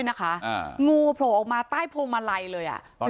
นะคะอ่างูโผล่ออกมาใต้โพงมาลัยเลยอ่ะ